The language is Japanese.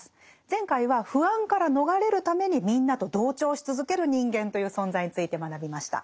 前回は不安から逃れるためにみんなと同調し続ける人間という存在について学びました。